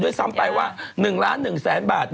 ซ้ำไปว่า๑ล้าน๑แสนบาท